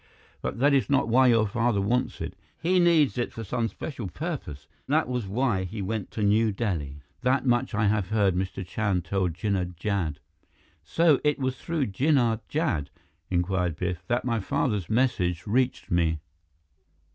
But that is not why your father wants it. He needs it for some special purpose; that was why he went to New Delhi. That much I have heard Mr. Chand tell Jinnah Jad." "So it was through Jinnah Jad," inquired Biff, "that my father's message reached me?"